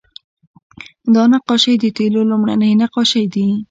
دا نقاشۍ د تیلو لومړنۍ نقاشۍ دي